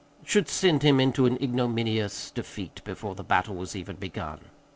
should send him into ignominious defeat before the battle was even begun.